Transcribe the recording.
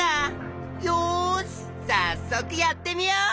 よしさっそくやってみよう！